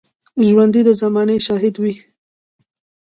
ژوندي د زمانې شاهد وي